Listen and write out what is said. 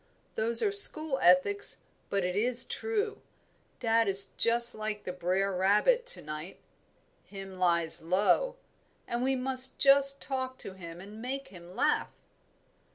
Those are school ethics, but it is true. Dad is just like the brere rabbit to night, 'him lies low,' and we must just talk to him and make him laugh."